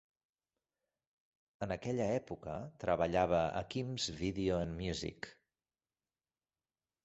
En aquella època, treballava a Kim's Video and Music.